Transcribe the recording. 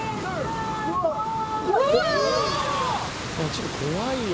ちょっと怖いよ。